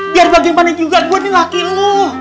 biar bagaimana juga gue nih ngaki lo